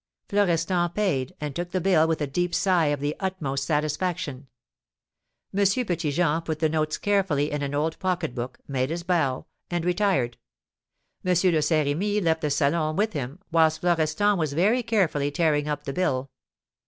Florestan paid, and took the bill with a deep sigh of the utmost satisfaction. M. Petit Jean put the notes carefully in an old pocket book, made his bow, and retired. M. de Saint Remy left the salon with him, whilst Florestan was very carefully tearing up the bill.